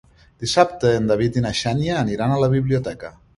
Dissabte en David i na Xènia aniran a la biblioteca.